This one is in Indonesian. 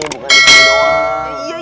bukan disini doang